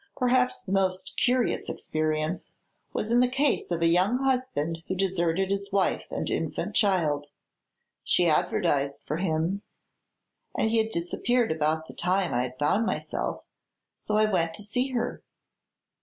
Perhaps the most curious experience was in the case of a young husband who deserted his wife and infant child. She advertised for him; he had disappeared about the time I had found myself; so I went to see her."